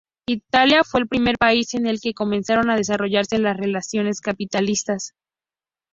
Italia fue el primer país en el que comenzaron a desarrollarse las relaciones capitalistas.